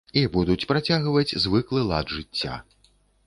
І будуць працягваць звыклы лад жыцця.